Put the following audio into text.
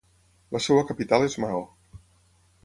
La seva capital és Mao.